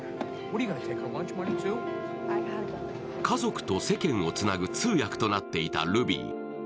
家族と世間をつなぐ通訳となっていたルビー。